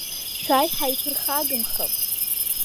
Шәааи, ҳарԥырхагамхап!